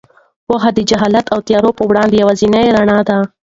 پوهه د جهالت او تیارو په وړاندې یوازینۍ رڼا ده.